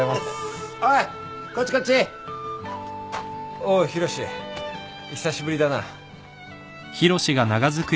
おう浩志久しぶりだな。